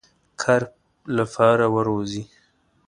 کار لپاره وروزی.